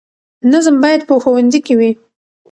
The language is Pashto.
نظم باید په ښوونځي کې وي.